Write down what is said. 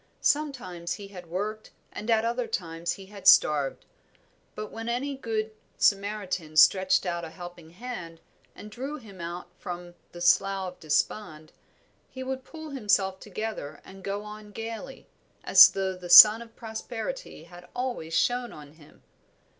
Sometimes he had worked and at other times he had starved; but when any good Samaritan stretched out a helping hand and drew him out from the Slough of Despond, he would pull himself together and go on gaily, as though the sun of prosperity had always shone on him.